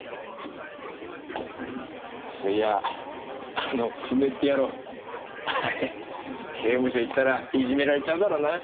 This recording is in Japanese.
そういやあの久米って野郎あれ刑務所行ったらいじめられちゃうだろうな。